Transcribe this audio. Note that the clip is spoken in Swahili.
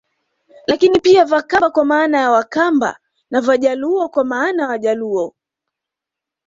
Lakini pia Vakamba kwa maana ya Wakamba na Vajaluo kwa maana ya Wajaluo